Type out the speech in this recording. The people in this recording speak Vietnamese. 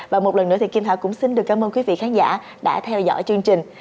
và một lần nữa thì kim thảo cũng xin được cảm ơn quý vị khán giả đã theo dõi chương trình